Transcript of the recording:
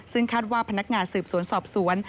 ซึ่งคาดว่าพนักงานสืบสวนสอบสวน